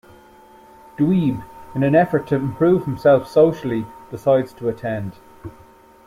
Dweeb, in an effort to improve himself socially, decides to attend.